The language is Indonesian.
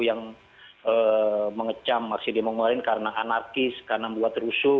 yang mengecam aksi demo kemarin karena anarkis karena membuat rusuh